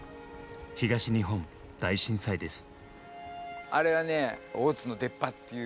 東日本大震災です。